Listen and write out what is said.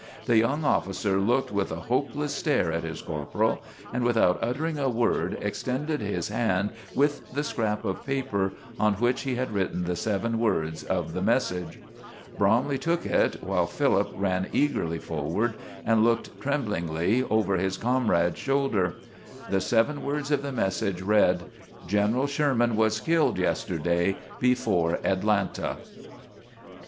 The young officer looked with a hopeless stare at his corporal, and without uttering a word extended his hand with the scrap of paper on which he had written the seven words of the message. Bromley took it, while Philip ran eagerly forward and looked tremblingly over his comrade's shoulder. The seven words of the message read: "_General Sherman was killed yesterday before Atlanta.